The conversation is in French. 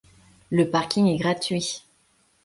Le parking est gratuit.